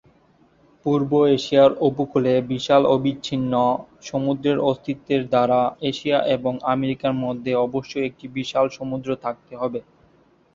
পূর্ব এশিয়ার উপকূলে বিশাল অবিচ্ছিন্ন সমুদ্রের অস্তিত্বের দ্বারা এশিয়া এবং আমেরিকার মধ্যে অবশ্যই একটি বিশাল সমুদ্র থাকতে হবে।